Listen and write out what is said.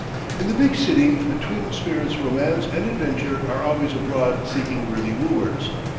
In the big city the twin spirits Romance and Adventure are always abroad seeking worthy wooers.